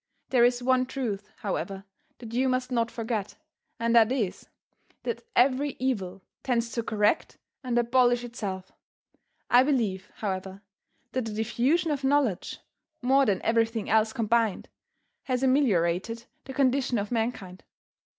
There is one truth, however, that you must not forget, and that is, that every evil tends to correct and abolish itself. I believe, however, that the diffusion of knowledge, more than everything else combined, has ameliorated the condition of mankind.